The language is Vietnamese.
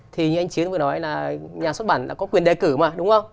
thì như anh chiến vừa nói là nhà xuất bản đã có quyền đề cử mà đúng không